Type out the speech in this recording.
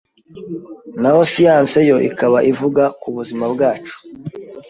naho science yo ikaba ivuga k’ubuzima bwacu